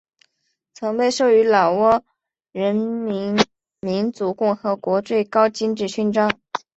曾被授予老挝人民民主共和国最高金质勋章。